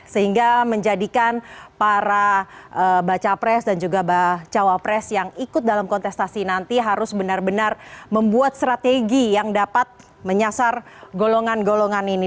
sehingga menjadikan para baca pres dan juga bacawa pres yang ikut dalam kontestasi nanti harus benar benar membuat strategi yang dapat menyasar golongan golongan ini